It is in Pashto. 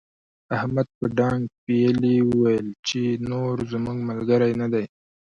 احمد په ډانګ پېيلې وويل چې نور زموږ ملګری نه دی.